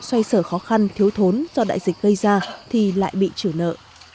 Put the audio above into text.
xoay sở khó khăn thiếu thốn do đại dịch gây ra thì lại bị trừ nợ